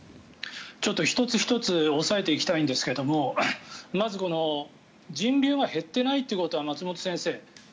１つ１つ押さえていきたいんですがまず、人流が減っていないということは松本先生